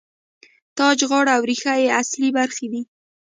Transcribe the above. تاج، غاړه او ریښه یې اصلي برخې دي.